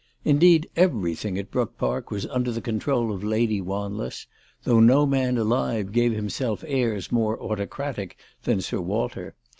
Indeed everything at Brook Park was under the control of Lady Wanless, though no man alive g&ve himself airs more autocratic than Sir Walter.